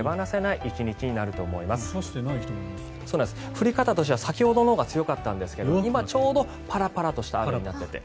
降り方としては先ほどのほうが強かったんですが、今ちょうどパラパラとした雨になっていて。